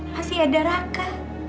masih ada raka